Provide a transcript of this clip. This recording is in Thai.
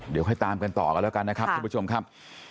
เดี๋ยวค่อยตามกันต่อกันแล้วกันนะครับทุกผู้ชมครับ